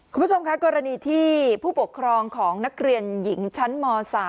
คุณผู้ชมคะกรณีที่ผู้ปกครองของนักเรียนหญิงชั้นม๓